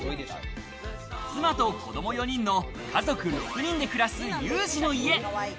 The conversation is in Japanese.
妻と子供４人の家族６人で暮らすユージの家。